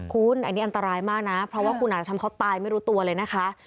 คุณอันนี้อันตรายมากนะเพราะว่าคุณอาจจะทำเขาตายไม่รู้ตัวเลยนะคะ